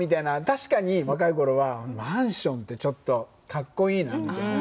確かに若い頃はマンションってちょっと格好いいなみたいな。